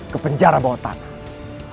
ke penjara bawah tanah